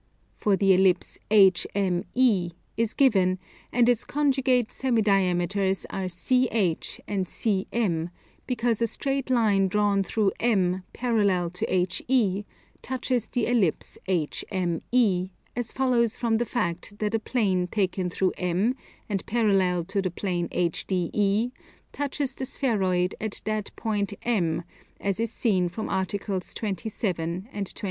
For the Ellipse HME is given, and its conjugate semi diameters are CH and CM; because a straight line drawn through M, parallel to HE, touches the Ellipse HME, as follows from the fact that a plane taken through M, and parallel to the plane HDE, touches the spheroid at that point M, as is seen from Articles 27 and 23.